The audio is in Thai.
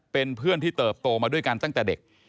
เป็นเพื่อนที่เติบโตมาด้วยกันตั้งแต่เด็ก